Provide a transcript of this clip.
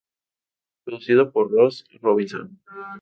Producido por Ross Robinson.